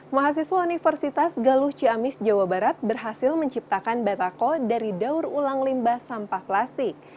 mahasiswa universitas galuh ciamis jawa barat berhasil menciptakan batako dari daur ulang limbah sampah plastik